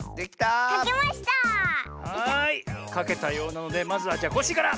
かけたようなのでまずはコッシーから。